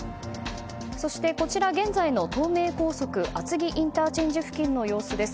そして現在の東名高速厚木ＩＣ付近の様子です。